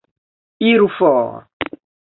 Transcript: Iru for!